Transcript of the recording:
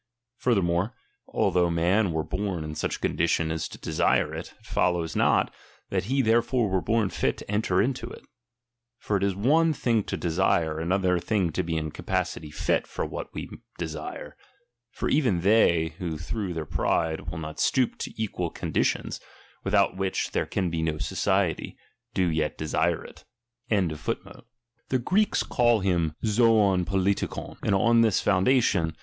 Furthermore, although man were born in such a condition as to desire it, it follows not, that he therefore were born fit to enter into it. For it is one thing to desire, another to be in capacity fit for what we desire ; for even they, who through their pride, will not stoop to equal con ditions, without which there can be no society, do yet desire it Kill Mm Zuiov iroXtTiKov ; and on this foundation chap.